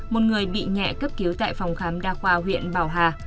một người bị nhẹ cấp cứu tại phòng khám đa khoa huyện bảo hà